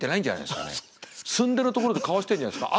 すんでのところでかわしてんじゃないですか？